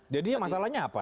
jadi masalahnya apa